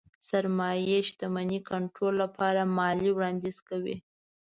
سرمايې شتمنۍ کنټرول لپاره ماليې وړانديز کوي.